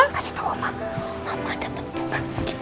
kasih tau mama mama dapet bunga